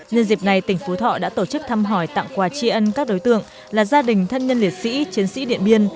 nhân dịp này tỉnh phú thọ đã tổ chức thăm hỏi tặng quà tri ân các đối tượng là gia đình thân nhân liệt sĩ chiến sĩ điện biên